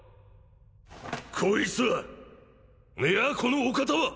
こいつはいやこのお方は！